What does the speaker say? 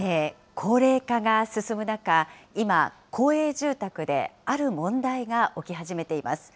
高齢化が進む中、今、公営住宅である問題が起き始めています。